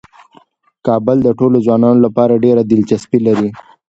کابل د ټولو افغان ځوانانو لپاره ډیره دلچسپي لري.